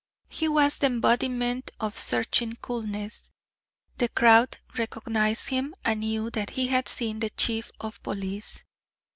He was the embodiment of searching coolness. The crowd recognized him and knew that he had seen the Chief of Police.